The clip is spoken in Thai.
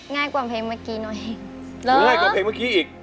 ง่ายกว่าเพลงเมื่อกี้หน่อยง่ายกว่าเพลงเมื่อกี้อีก